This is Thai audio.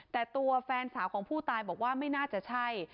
แต่ตัวแฟนสาวของผู้ตายบอกว่าไม่น่าจะใช่